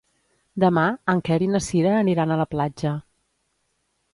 Demà en Quer i na Cira aniran a la platja.